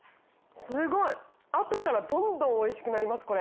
すごい！後からどんどんおいしくなりますこれ。